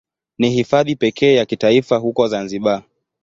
Ni Hifadhi pekee ya kitaifa huko Zanzibar.